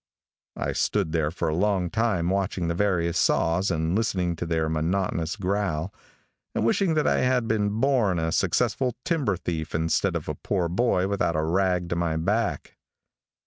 I stood there for a long time watching the various saws and listening to their monotonous growl, and wishing that I had been born a successful timber thief instead of a poor boy without a rag to my back.